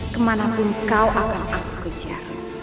kemana pun kau akan aku kejar